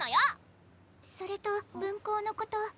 それと分校のこと。